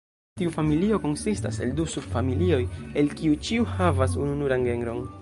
Tiu familio konsistas el du subfamilioj, el kiu ĉiu havas ununuran genron.